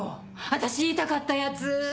私言いたかったやつ。